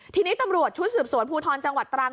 ทีนี้ตำรวจชุดสืบสวนภูทรจังหวัดตรัง